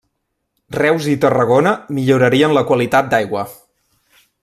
Reus i Tarragona millorarien la qualitat d’aigua.